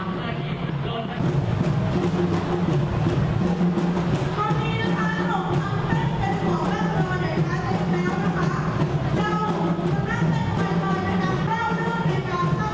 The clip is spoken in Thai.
สำรวจการท่านทำร่างเจ็บของที่ได้เลยจ้า